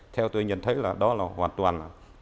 theo tôi nhận thấy là đó là hoàn toàn một trăm linh